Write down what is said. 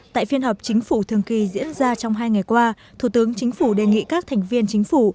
tại phiên họp chính phủ thường kỳ diễn ra trong hai ngày qua thủ tướng chính phủ đề nghị các thành viên chính phủ